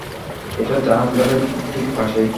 এটা জাহাজ ঘাটের ঠিক পাশেই।